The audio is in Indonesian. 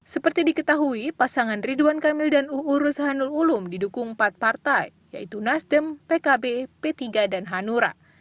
seperti diketahui pasangan ridwan kamil dan uu rushanul ulum didukung empat partai yaitu nasdem pkb p tiga dan hanura